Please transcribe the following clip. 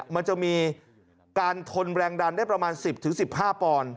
มันจะมีการทนแรงดันได้ประมาณ๑๐๑๕ปอนด์